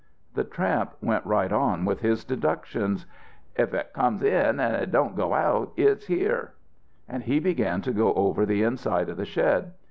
"The tramp went right on with his deductions: "'If it come in and didn't go out, it's here.' "And he began to go over the inside of the shed.